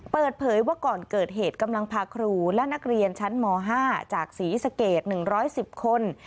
เปิดเผยว่าก่อนเกิดเหตุกำลังพาครูและนักเรียนชั้นม๕จากศรีสเกต๑๑๐คน